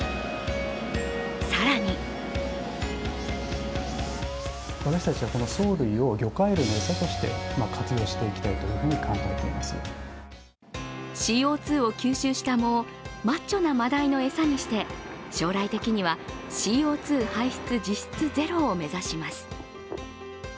更にＣＯ２を吸収した藻をマッチョなマダイの餌にして将来的にはＣＯ２排出実質ゼロを目指します。